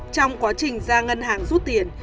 trong quá trình ra ngân hàng rút tiền